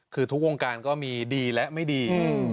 คือทุกวงการก็มีดีและไม่ดี